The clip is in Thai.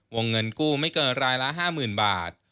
วงเงินกู้ไม่เกินรายละ๕๐๐๐บาท